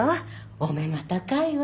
お目が高いわ。